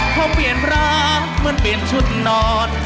พอเปลี่ยนร้านเหมือนเปลี่ยนชุดนอน